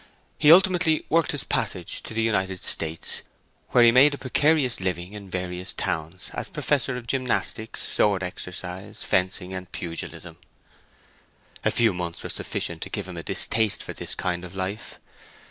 He ultimately worked his passage to the United States, where he made a precarious living in various towns as Professor of Gymnastics, Sword Exercise, Fencing, and Pugilism. A few months were sufficient to give him a distaste for this kind of life.